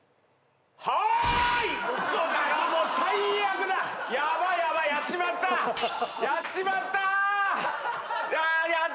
嘘だろもう最悪だやばいやばいやっちまったやっちまったあっ